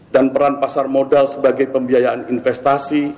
dan peran pasar modal sebagai pembiayaan investasi